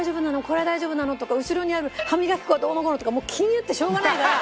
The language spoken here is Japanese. これは大丈夫なの？とか後ろにある歯磨き粉はどうのこうのとかもう気になってしょうがないから。